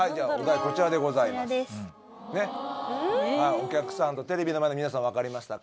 お客さんとテレビの前の皆さん分かりましたか。